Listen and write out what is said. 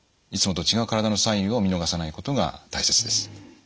いつもと違う体のサインを見逃さないことが大切です。